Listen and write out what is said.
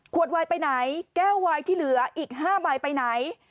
ขวดไวน์ไปไหนแก้วไวน์ที่เหลืออีก๕ใบไปไหน